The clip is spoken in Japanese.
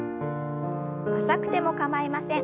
浅くても構いません。